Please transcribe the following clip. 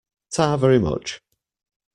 Ta very much.